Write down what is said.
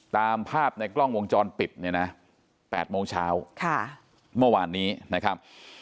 ตามภาพในกล้องวงจรปิดเนี่ยนะ๘โมงเช้าเมื่อวานนี้นะครับ